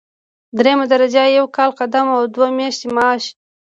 دریمه درجه یو کال قدم او دوه میاشتې معاش.